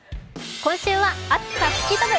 今週は「暑さ吹き飛ぶ！